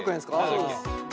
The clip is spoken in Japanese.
そうです。